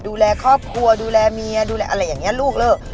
ดูแลครอบครัวดูแลเมียดูแลอะไรอย่างนี้ลูกเลิก